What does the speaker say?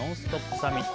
サミット。